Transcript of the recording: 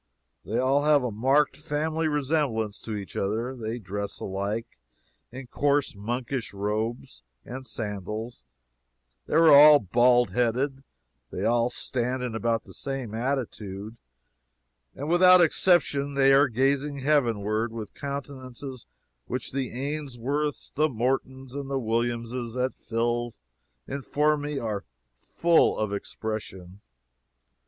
They all have a marked family resemblance to each other, they dress alike, in coarse monkish robes and sandals, they are all bald headed, they all stand in about the same attitude, and without exception they are gazing heavenward with countenances which the Ainsworths, the Mortons and the Williamses, et fils, inform me are full of "expression."